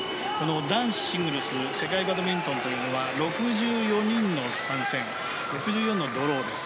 男子シングルス世界バドミントンというのは６４人の参戦６４のドローです。